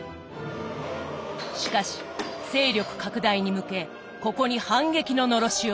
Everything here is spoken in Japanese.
しかし勢力拡大に向けここに反撃ののろしを上げた。